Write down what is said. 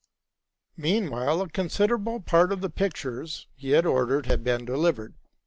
Meanwhile, a considerable part of the pictures he had or dered had been delivered.